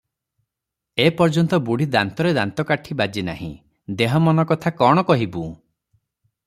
ଏ ପର୍ଯ୍ୟନ୍ତ ବୁଢ଼ୀ ଦାନ୍ତରେ ଦାନ୍ତକାଠି ବାଜି ନାହିଁ, ଦେହ ମନ କଥା କ’ଣ କହିବୁଁ?